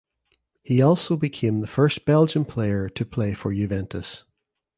He also became the first Belgian player to play for Juventus.